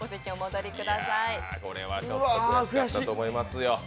これはちょっと悔しかったと思いますよ。